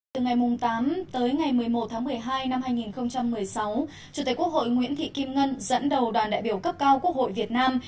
từ ngày tám một mươi một một mươi hai hai nghìn một mươi sáu chủ tịch quốc hội nguyễn thị kim ngân dẫn đầu đoàn đại biểu cấp cao quốc hội việt nam